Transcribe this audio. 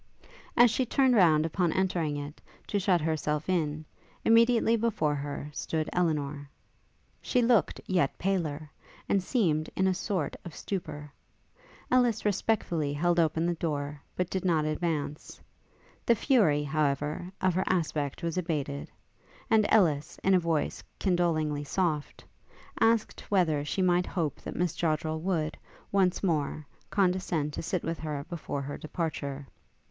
As she turned round upon entering it, to shut herself in, immediately before her stood Elinor. She looked yet paler, and seemed in a sort of stupor. Ellis respectfully held open the door, but she did not advance: the fury, however, of her aspect was abated, and Ellis, in a voice condolingly soft, asked whether she might hope that Miss Joddrel would, once more, condescend to sit with her before her departure.